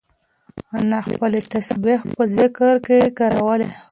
انا خپلې تسبیح په ذکر کې کارولې.